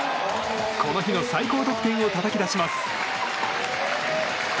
この日の最高得点をたたき出します。